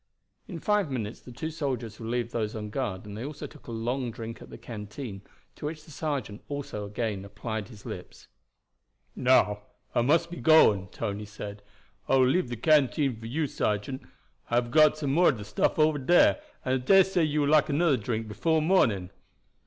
In five minutes the two soldiers relieved those on guard, and they also took a long drink at the canteen, to which the sergeant also again applied his lips. "Now I must be going," Tony said. "I will leave the canteen with you, sergeant. I have got some more of the stuff over there, and I dare say you will like another drink before morning."